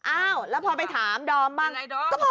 อ้าวแล้วพอไปถามดอมบ้างเป็นไรดอม